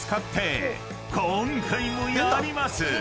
［今回もやります！